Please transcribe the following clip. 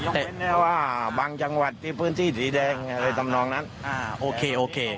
แต่แม้ว่าบางจังหวัดที่พื้นที่สีแดงอะไรทำนองนั้นโอเคโอเค